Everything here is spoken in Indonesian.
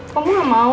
kamu gak mau